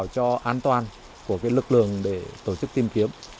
cho an toàn của lực lượng để tổ chức tìm kiếm